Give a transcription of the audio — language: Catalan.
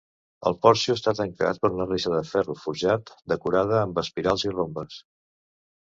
El porxo està tancat per una reixa de ferro forjat decorada amb espirals i rombes.